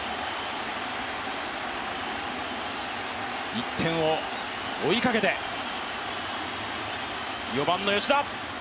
１点を追いかけて、４番の吉田。